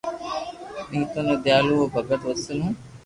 نيدون ھو دينديالو ھون ڀگت وسل ھون